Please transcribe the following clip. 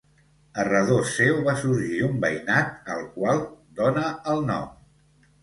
A redós seu va sorgir un veïnat al qual dóna el nom.